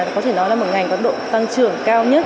có thể nói là một ngành có độ tăng trưởng cao nhất